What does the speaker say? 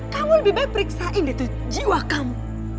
kamu lebih baik periksain itu jiwa kamu